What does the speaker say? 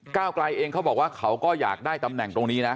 ก้าวไกลเองเขาบอกว่าเขาก็อยากได้ตำแหน่งตรงนี้นะ